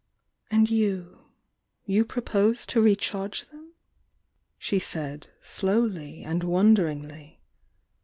"And you,— you propose to recharge them?" she said, slowly and wonderingly.